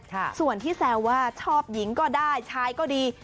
ส่วนที่แซวว่าชอบหญิงก็ได้ชายก็ดี